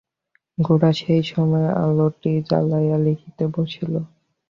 গোরা সেই সময় আলোটি জ্বালাইয়া লিখিতে বসিয়াছে।